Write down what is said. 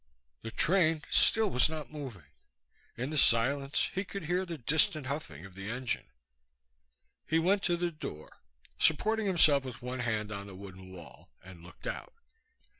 The train still was not moving. In the silence he could hear the distant huffing of the engine. He went to the door, supporting himself with one hand on the wooden wall, and looked out.